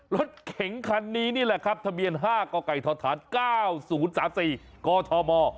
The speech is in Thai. รถเก๋งคันนี้นี่แหละครับทะเบียน๕กกทฐาน๙๐๓๔กธม